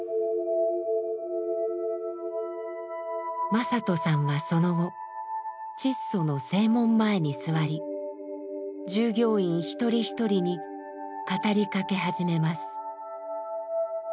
正人さんはその後チッソの正門前に座り従業員一人一人に語りかけ始めます。